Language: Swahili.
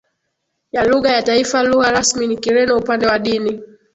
ya lugha ya taifa lugha rasmi ni Kireno Upande wa dini